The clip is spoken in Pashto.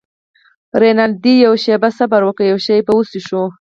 رینالډي: یوه شیبه صبر وکړه، یو شی به وڅښو.